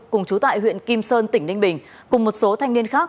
cùng chú tại huyện kim sơn tỉnh ninh bình cùng một số thanh niên khác